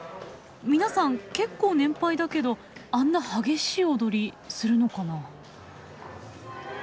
皆さん結構年配だけどあんな激しい踊りするのかな？